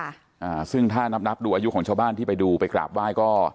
อ่าซึ่งถ้านับนับดูอายุของชาวบ้านที่ไปดูไปกราบไหว้ก็